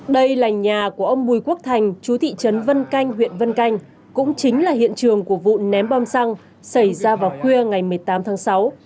đây là nhà của ông bùi quốc thành chú thị trấn vân canh huyện vân canh cũng chính là hiện trường của vụ ném bom xăng xảy ra vào khuya ngày một mươi tám tháng sáu